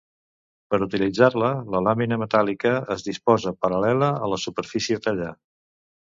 Per utilitzar-la la làmina metàl·lica es disposa paral·lela a la superfície a tallar.